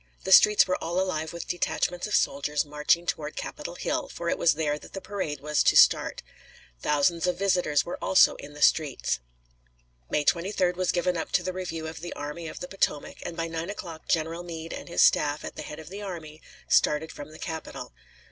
The streets were all alive with detachments of soldiers marching toward Capitol Hill, for it was there that the parade was to start. Thousands of visitors were also in the streets. May 23d was given up to the review of the Army of the Potomac, and by nine o'clock General Meade and his staff, at the head of the army, started from the Capitol.